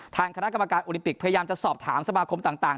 ทางคณะกรรมการโอลิมปิกพยายามจะสอบถามสมาคมต่าง